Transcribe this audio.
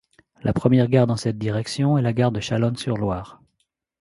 La première gare dans cette direction est la gare de Chalonnes-sur-Loire.